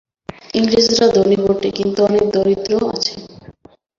ইংরেজরা ধনী বটে, কিন্তু অনেক দরিদ্র আছে।